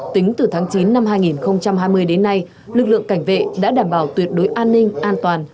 tính từ tháng chín năm hai nghìn hai mươi đến nay lực lượng cảnh vệ đã đảm bảo tuyệt đối an ninh an toàn